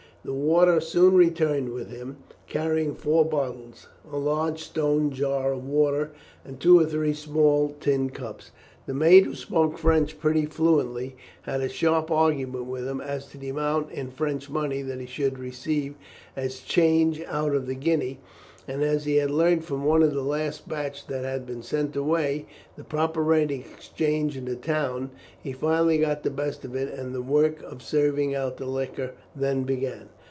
The warder soon returned with him, carrying four bottles, a large stone jar of water, and two or three small tin cups. The mate, who spoke French pretty fluently, had a sharp argument with him as to the amount in French money that he should receive as change out of the guinea; and as he had learnt from one of the last batch that had been sent away, the proper rate of exchange in the town, he finally got the best of it, and the work of serving out the liquor then began.